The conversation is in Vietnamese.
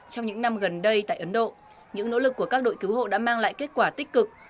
trong những năm gần đây tại ấn độ những nỗ lực của các đội cứu hộ đã mang lại kết quả tích cực